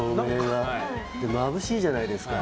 まぶしいじゃないですか。